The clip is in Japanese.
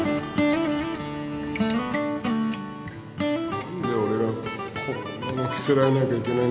何で俺がこんな物着せられなきゃいけないんだよ。